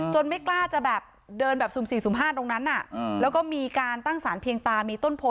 ไม่กล้าจะแบบเดินแบบสุ่มสี่สุ่มห้าตรงนั้นแล้วก็มีการตั้งสารเพียงตามีต้นโพ